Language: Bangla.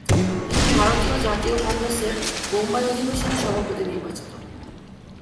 তিনি ভারতীয় জাতীয় কংগ্রেসের বোম্বাই অধিবেশনে সভাপতি নির্বাচিত হন।